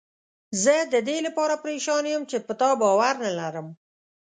زه ددې لپاره پریشان یم چې په تا باور نه لرم.